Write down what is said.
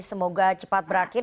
semoga cepat berakhir